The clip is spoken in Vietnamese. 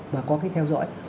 và có cái theo dõi